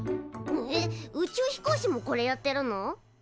えっ宇宙飛行士もこれやってるの？